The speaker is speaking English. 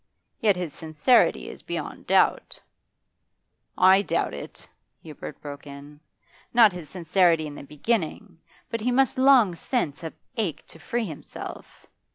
Yet his sincerity is beyond doubt.' 'I doubt it,' Hubert broke in. 'Not his sincerity in the beginning; but he must long since have ached to free himself.